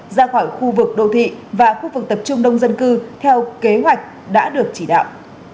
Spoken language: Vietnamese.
ra khỏi khu vực đô thị và khu vực tập trung đông dân cư theo kế hoạch đã được chỉ đạo